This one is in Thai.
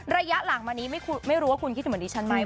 ระยะหลังมานี้ไม่รู้ว่าคุณคิดเหมือนดิฉันไหม